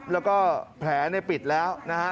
แล้วก็แผลปิดแล้วนะฮะ